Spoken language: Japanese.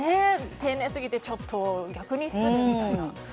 丁寧すぎてちょっと逆に失礼みたいな。